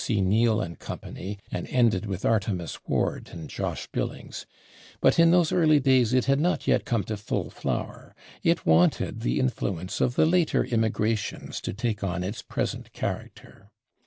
C. Neal and company and ended with Artemus Ward and Josh Billings, but in those early days it had not yet come to full flower; it wanted the influence of the later immigrations to take on its present character.